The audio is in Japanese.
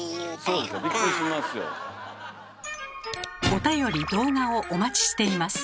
おたより動画をお待ちしています。